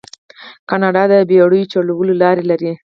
کاناډا د بیړیو چلولو لارې لري.